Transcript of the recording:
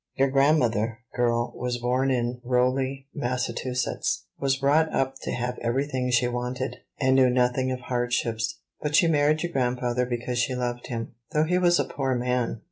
Your grandmother, girl, was born in old Rowley, Massachusetts, was brought up to have everything she wanted, and knew nothing of hardships; but she married your grandfather because she loved him, though he was a poor man.